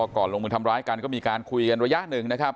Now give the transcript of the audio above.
ก่อนลงมือทำร้ายกันก็มีการคุยกันระยะหนึ่ง